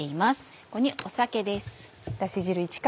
ここに酒です。